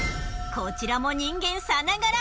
こちらも人間さながら！